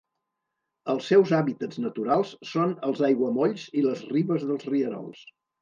Els seus hàbitats naturals són els aiguamolls i les ribes dels rierols.